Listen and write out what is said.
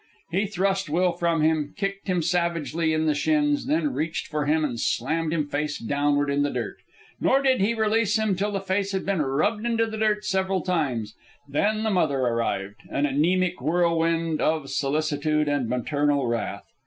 He thrust Will from him, kicked him savagely on the shins, then reached for him and slammed him face downward in the dirt. Nor did he release him till the face had been rubbed into the dirt several times. Then the mother arrived, an anaemic whirlwind of solicitude and maternal wrath.